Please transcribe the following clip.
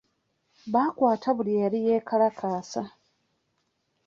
Baakwata buli eyali yeekalakaasa.